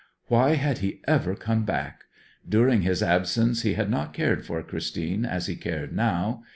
Why had he ever come back? During his absence he had not cared for Christine as he cared now.